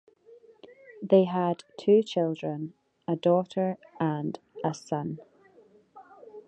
They had two children, a daughter and a son.